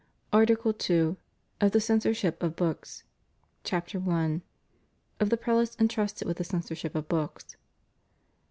ARTICLE 11. Of the Censokship op Books. CHAPTER I. • Of the Prelates entrusted with the Censorship of Books.